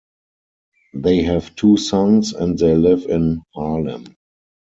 They have two sons and they live in Harlem.